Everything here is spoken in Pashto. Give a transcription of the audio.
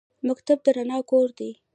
مکتب د رڼا کور دی